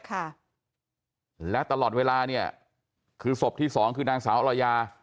ค่ะและตลอดเวลาเนี่ยคือศพที่สองคือนางสาวอรยา